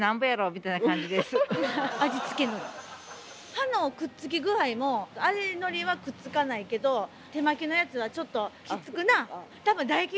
歯のくっつき具合も味のりはくっつかないけど手巻きのやつはちょっとひっつくな。